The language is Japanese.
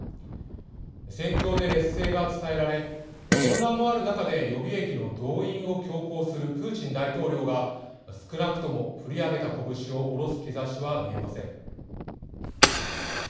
戦況で劣勢が伝えられ、混乱もある中で予備役の動員を強行するプーチン大統領が、少なくとも振り上げた拳を下ろす兆しは見えません。